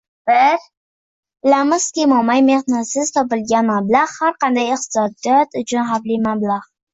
Bilamizki, mo‘may – mehnatsiz topilgan mablag‘ – har qanday iqtisodiyot uchun xavfli mablag‘.